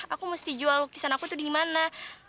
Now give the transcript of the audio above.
aku mesti jual lukisan aku tuh di mana